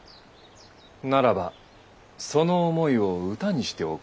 ならばその思いを歌にして贈るのだ。